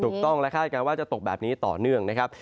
ถูกต้องและคาดการณ์ว่าจะตกแบบนี้ต่อเนื่องนะครับ